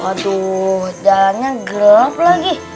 waduh jalannya gelap lagi